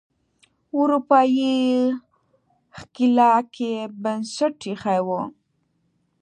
اروپایي ښکېلاک یې بنسټ ایښی و.